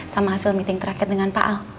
sama hasil meeting terakhir dengan pak ahok